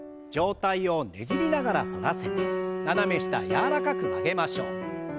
上体をねじりながら反らせて斜め下柔らかく曲げましょう。